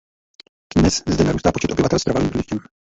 Dnes zde narůstá počet obyvatel s trvalým bydlištěm.